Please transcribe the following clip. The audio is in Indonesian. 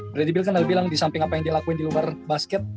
berarti bill kan ada bilang di samping apa yang dia lakuin di luar basket